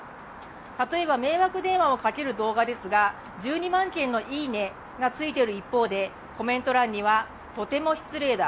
例えば迷惑電話をかける動画ですが、１２万件のいいねがついている一方で、コメント欄には、とても失礼だ